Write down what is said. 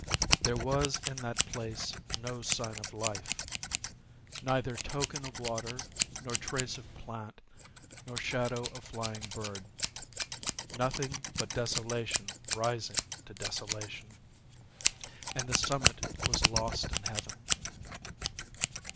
There was in that place no sign of life,—neither token of water, nor trace of plant, nor shadow of flying bird,—nothing but desolation rising to desolation. And the summit was lost in heaven.